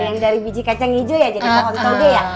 yang dari biji kacang hijau ya jadi pohon toge ya